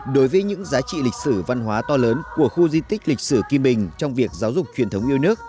đối với những giá trị lịch sử văn hóa to lớn của khu di tích lịch sử kim bình trong việc giáo dục truyền thống yêu nước